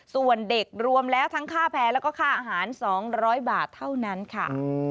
ส่วนเด็กรวมแล้วทั้งค่าแพ้แล้วก็ค่าอาหาร๒๐๐บาทเท่านั้นค่ะ